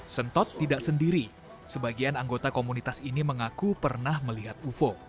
sentot tidak sendiri sebagian anggota komunitas ini mengaku pernah melihat ufo